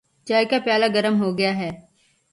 چائے کا پیالہ گرم ہوگیا ہے۔